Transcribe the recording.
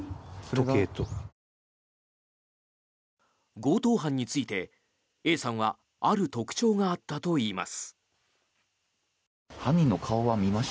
強盗犯について、Ａさんはある特徴があったといいます。